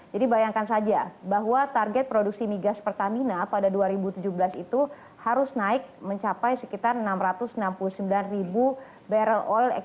jadi bayangkan saja bahwa target produksi migas pertamina pada dua ribu tujuh belas itu harus naik mencapai sekitar enam ratus enam puluh sembilan barrel oil eksternal